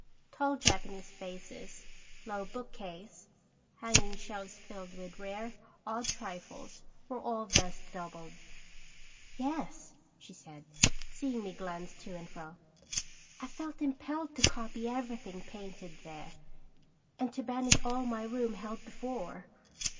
Tall Japanese vases, low bookcase, hanging shelves filled with rare, odd trifles, were all thus doubled. " Yes," she said, seeing me glance to and fro, " I felt impelled to copy everything painted there, and to banish all my room held before.